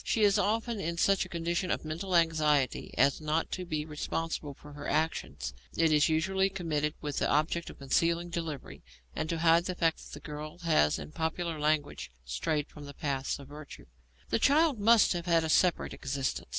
She is often in such a condition of mental anxiety as not to be responsible for her actions. It is usually committed with the object of concealing delivery, and to hide the fact that the girl has, in popular language, 'strayed from the paths of virtue.' The child must have had a separate existence.